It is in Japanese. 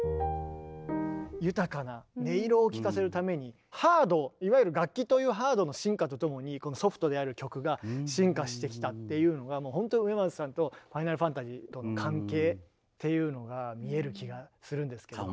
豊かな音色を聴かせるためにハードいわゆる楽器というハードの進化とともにソフトである曲が進化してきたっていうのがもうほんと植松さんと「ファイナルファンタジー」との関係っていうのが見える気がするんですけど。